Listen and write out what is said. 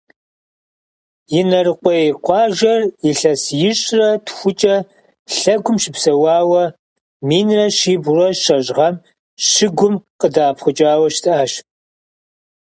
Инарыкъуей къуажэр илъэс ищӏрэ тхукӏэ лъэгум щыпсэуауэ, минрэ щибгъурэ щэщӏ гъэм щыгум къыдэӏэпхъукӏауэ щытащ.